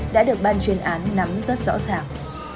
đã được ban chuyên án nắm rất rõ ràng